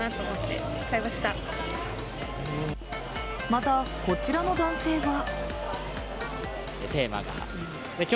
また、こちらの男性は。